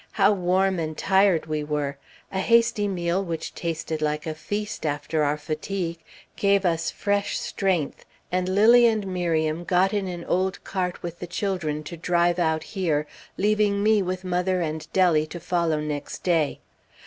How warm and tired we were! A hasty meal, which tasted like a feast after our fatigue, gave us fresh strength, and Lilly and Miriam got in an old cart with the children to drive out here, leaving me with mother and Dellie to follow next day.